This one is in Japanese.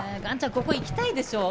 ここ行きたいでしょ